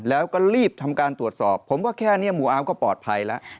แล้วก็รีบทำการตรวจสอบผมว่าแค่นี้หมู่อาร์มก็ปลอดภัยแล้ว